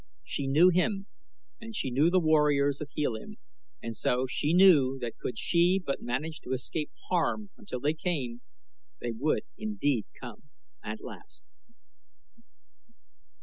She knew him and she knew the warriors of Helium and so she knew that could she but manage to escape harm until they came, they would indeed come at last.